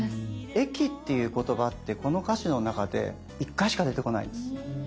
駅っていう言葉ってこの歌詞の中で１回しか出てこないんです。